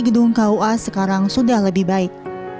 gedung kua sekarang sudah lebih baik